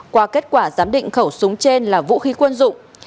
qua kết quả giám định khẩu súng trên là vũ khí quân dụng